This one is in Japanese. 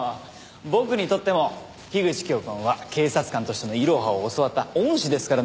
僕にとっても樋口教官は警察官としての「いろは」を教わった恩師ですからね。